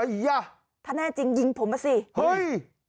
อียยยยยยยถ้าแน่จริงหยิงผมมาสิเฮ้ย